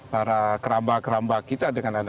para keramba keramba kita dengan